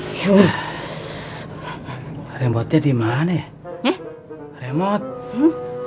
hai remotnya di mana ya remote